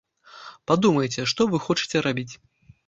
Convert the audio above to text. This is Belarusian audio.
Падумайце, што вы хочаце рабіць!